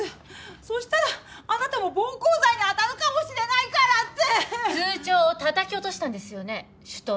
そしたら「あなたも暴行罪にあたるかもしれないから」って！通帳をたたき落としたんですよね手刀で。